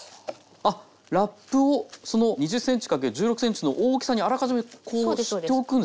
あっラップをその２０ｃｍ×１６ｃｍの大きさにあらかじめこうしておくんですね。